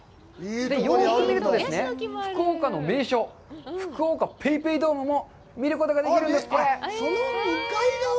よく見ると、福岡の名所、福岡ＰａｙＰａｙドームも見ることができるんです！